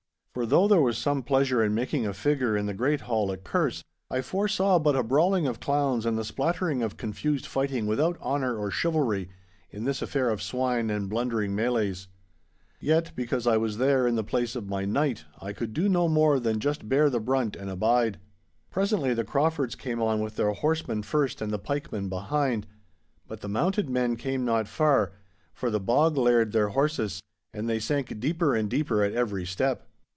For though there was some pleasure in making a figure in the great hall at Kerse, I foresaw but a brawling of clowns and the splattering of confused fighting without honour or chivalry, in this affair of swine and blundering melées. Yet, because I was there in the place of my knight, I could do no more than just bear the brunt and abide. Presently the Craufords came on with their horsemen first and the pikemen behind. But the mounted men came not far, for the bog laired their horses, and they sank deeper and deeper at every step.